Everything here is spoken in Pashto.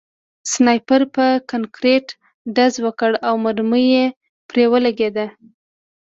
سنایپر په کانکریټ ډز وکړ او مرمۍ پرې ولګېده